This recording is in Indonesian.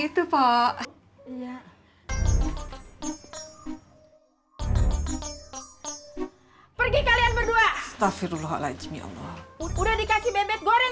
seperti itu pak iya pergi kalian berdua tafirullahaladzim ya allah udah dikasih bebek goreng